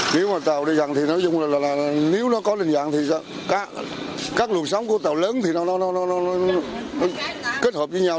nếu mà tàu đi gần thì nói dung là nếu nó có định dạng thì các lùi sóng của tàu lớn thì nó kết hợp với nhau